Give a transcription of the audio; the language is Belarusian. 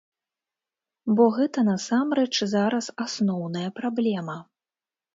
Бо гэта насамрэч зараз асноўная праблема.